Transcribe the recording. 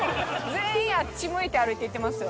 全員あっち向いて歩いていってますよ。